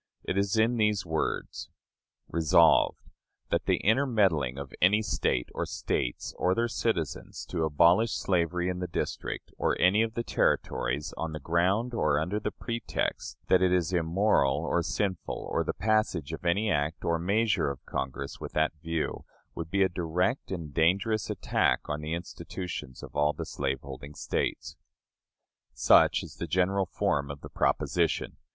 It is in these words: "Resolved, That the intermeddling of any State or States, or their citizens, to abolish slavery in the District, or any of the Territories, on the ground, or under the pretext, that it is immoral or sinful, or the passage of any act or measure of Congress with that view, would be a direct and dangerous attack on the institutions of all the slaveholding States." Such is the general form of the proposition.